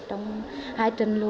trong hai tuần lũ